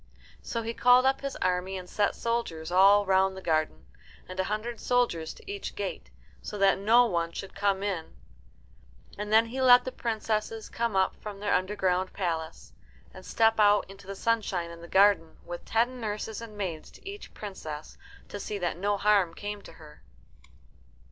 So he called up his army, and set soldiers all round the garden, and a hundred soldiers to each gate, so that no one should come in. And then he let the princesses come up from their underground palace, and step out into the sunshine in the garden, with ten nurses and maids to each princess to see that no harm came to her.